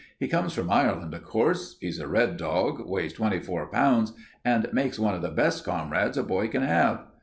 He comes from Ireland, of course. He's a red dog, weighs twenty four pounds, and makes one of the best comrades a boy can have.